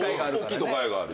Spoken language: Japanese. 大きいと害がある。